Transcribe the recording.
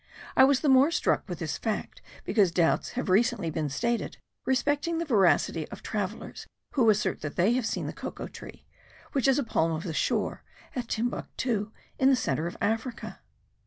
I was the more struck with this fact because doubts have recently been started respecting the veracity of travellers, who assert that they have seen the cocoa tree, which is a palm of the shore, at Timbuctoo, in the centre of Africa.